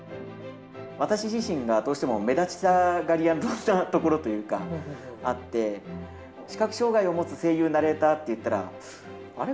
私自身がどうしても目立ちたがり屋なところというか、あって、視覚障がいを持つ声優、ナレーターっていったら、あれ？